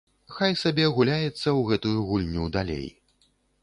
Хай сабе гуляецца ў гэтую гульню далей.